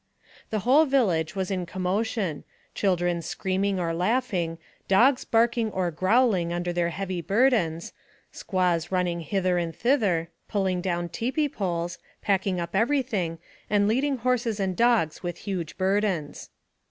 The whole village was in commotion, children screaming or laughing; dogs barking or growling nnder their heavy burdens; squaws running hither AMONG THE SIOUX INDIANS. 93 and thither, pulling down tipi poles, packing up every thing, and leading horses and dogs with huge burdens.